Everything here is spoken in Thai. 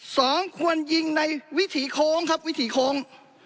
สองควรยิงในวิถีโค้งครับวิถีโค้ง